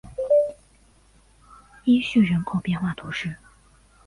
伊叙人口变化图示